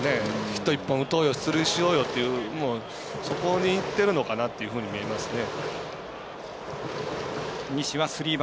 ヒット１本打とうよ出塁しようよっていうそこにいってるのかなっていうふうに思いますね。